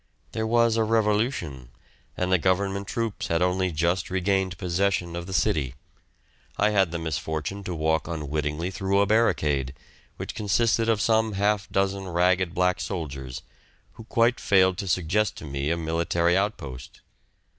There was a revolution, and the government troops had only just regained possession of the city; I had the misfortune to walk unwittingly through a barricade, which consisted of some half dozen ragged black soldiers, who quite failed to suggest to me a military outpost.